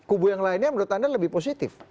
kubu yang lainnya menurut anda lebih positif